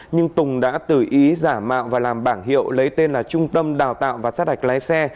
nhưng tùng đã tự ý giả mạo và làm bảng hiệu lấy tên là trung tâm đào tạo và sát hạch lái xe